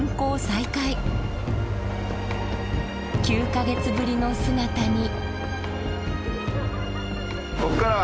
９か月ぶりの姿に。